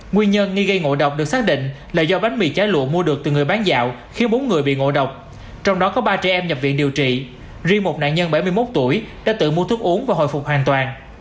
nguyên nhân nghi ngộ độc được xác định là do bánh mì chả lụa mua được từ người bán dạo khiến bốn người bị ngộ độc trong đó có ba trẻ em nhập viện điều trị riêng một nạn nhân bảy mươi một tuổi đã tự mua thuốc uống và hồi phục hoàn toàn